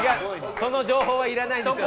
その情報はいらないですよ。